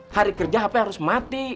hari kerja hape harus mati